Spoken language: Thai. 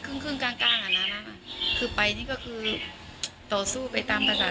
ก็คือมันครึ่งกลางอันนั้นคือไปนี่ก็คือต่อสู้ไปตามภาษา